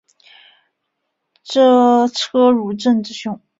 车汝震之兄。